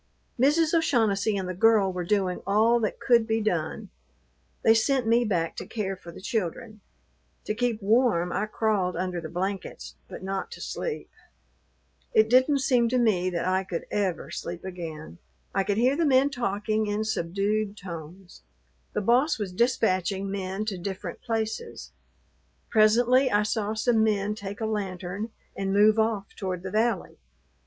Mrs. O'Shaughnessy and the girl were doing all that could be done; they sent me back to care for the children. To keep warm I crawled under the blankets, but not to sleep. It didn't seem to me that I could ever sleep again. I could hear the men talking in subdued tones. The boss was dispatching men to different places. Presently I saw some men take a lantern and move off toward the valley.